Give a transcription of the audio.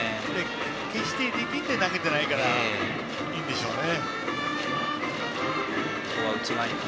決して力んで投げてないからいいんでしょうね。